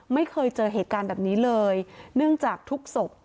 ไม่เคยเจอเหตุการณ์แบบนี้เลยเนื่องจากทุกศพ